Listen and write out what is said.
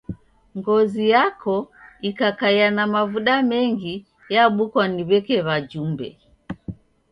Ngozi yako ikakaia na mavuda mengi yabukwa ni w'eke wajumbe.